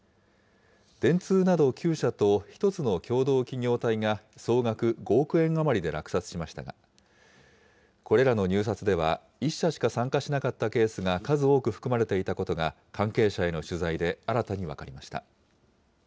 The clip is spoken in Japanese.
電通など９社と、１つの共同企業体が総額５億円余りで落札しましたが、これらの入札では、１社しか参加しなかったケースが数多く含まれていたことが、関係者への取材で新たに分かりました。